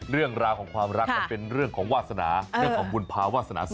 เรื่องราวของความรักมันเป็นเรื่องของวาสนาเรื่องของบุญภาวาสนา